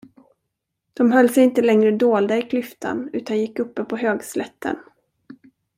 De höll sig inte längre dolda i klyftan, utan gick uppe på högslätten.